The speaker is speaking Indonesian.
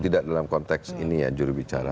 tidak dalam konteks ini ya jurubicara